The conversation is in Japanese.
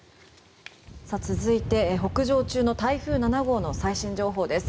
続いて北上中の台風７号の最新情報です。